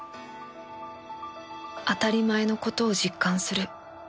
当たり前の事を実感する